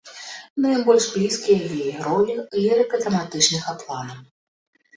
Найбольш блізкія ёй ролі лірыка-драматычнага плана.